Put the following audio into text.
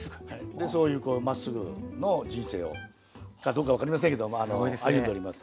でそういうこうまっすぐの人生をかどうか分かりませんけどまあ歩んでおります。